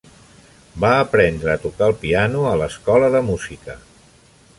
Va aprendre a tocar el piano a l'escola de música.